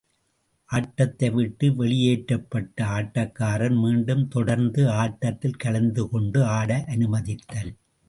ஆட்டத்தைவிட்டு வெளியேற்றப்பட்ட ஆட்டக்காரர் மீண்டும் தொடர்ந்து ஆட்டத்தில் கலந்துகொண்டு ஆட அனுமதித்தல்